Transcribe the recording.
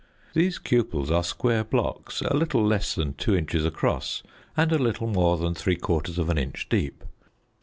These cupels are square blocks, a little less than 2 inches across, and a little more than three quarters of an inch deep.